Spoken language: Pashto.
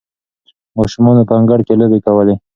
ماشومانو په انګړ کې لوبې کولې.